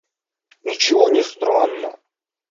– Ничего не странно.